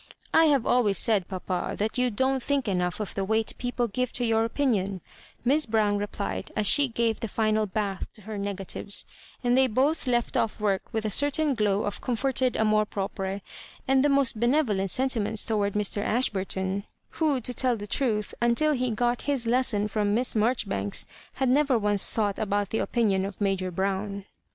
" I have always said, papa, that you don't think enough of the weight people give to your opinion," Mias Brown replied, as she gave the final bath to her nega tives ; and they both loft off work with a certain glow of comforted amour propre^ and the most benevolent sentiments towards Mr. Ashburton, who, to tell the truth, until he got bis lesson from Miss Maijoribanks, had never once thought about the opinion of Major Brown.